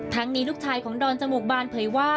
นี้ลูกชายของดอนจมูกบานเผยว่า